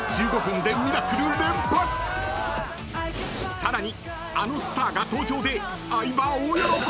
［さらに］